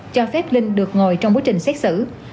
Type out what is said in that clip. cho phép linh được ngồi trong quá trình xét xử